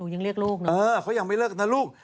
ยังเรียกลูกเออเขายังไม่เรียกลูกนะลูก